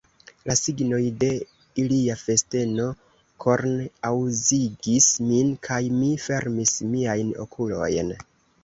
La signoj de ilia festeno kornaŭzigis min, kaj mi fermis miajn okulojn.